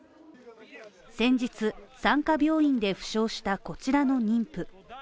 先日、産科病院で負傷したこちらの妊婦。